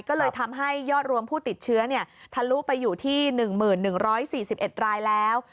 ก็เลยทำให้ยอดรวมผู้ติดเชื้อทะลุไปอยู่ที่๑๑๔๑รายแล้ว